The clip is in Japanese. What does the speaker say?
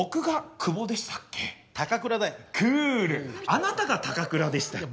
あなたが高倉でしたっけ？